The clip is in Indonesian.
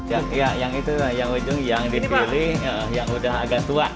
ya yang itu yang ujung yang dipilih yang udah agak tua